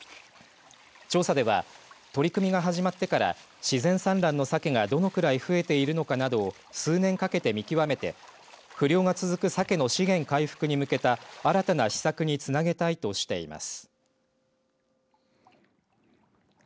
調査では取り組みが始まってから自然産卵のさけがどのくらい増えているのかなどを数年かけて見極めて不漁が続くさけの資源回復に向けた新たな施策につなげたいとしています。